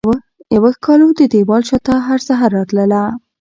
یوه ښکالو ددیوال شاته هرسحر راتلله